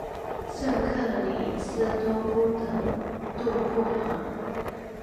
圣克里斯托夫德杜布尔。